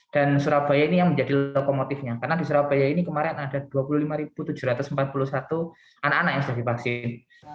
dan surabaya ini yang menjadi lokomotifnya karena di surabaya ini kemarin ada dua puluh lima tujuh ratus empat puluh satu anak anak yang sudah divaksin